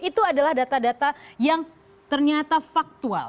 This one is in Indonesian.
itu adalah data data yang ternyata faktual